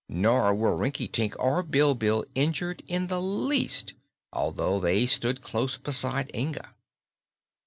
Nor were Rinkitink or Bilbil injured in the least, although they stood close beside Inga.